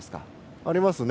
ありますね。